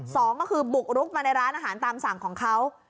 สองก็คือบุกรุกมาในร้านอาหารตามสั่งของเขา